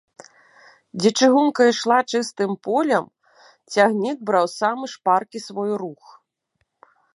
Дзе чыгунка ішла чыстым полем, цягнік браў самы шпаркі свой рух.